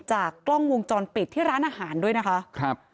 จากกล้องวงจรปิดที่ร้านอาหารด้วยนะคะครับ